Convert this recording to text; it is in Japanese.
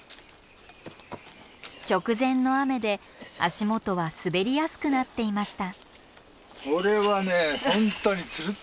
直前の雨で足元は滑りやすくなっていました。